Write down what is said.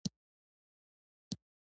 موږ پر ښه ځای باندې پېښ شوي و.